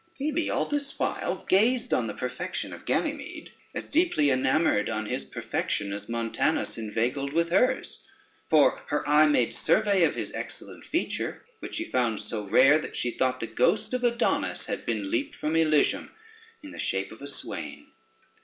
Phoebe all this while gazed on the perfection of Ganymede, as deeply enamored on his perfection as Montanus inveigled with hers; for her eye made survey of his excellent feature, which she found so rare, that she thought the ghost of Adonis had been leaped from Elysium in the shape of a swain.